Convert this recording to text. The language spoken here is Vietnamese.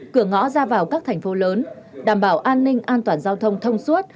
cửa ngõ ra vào các thành phố lớn đảm bảo an ninh an toàn giao thông thông suốt